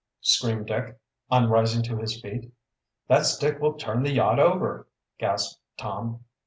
screamed Dick, on rising to his feet. "That stick will turn the yacht over!" gasped Tom.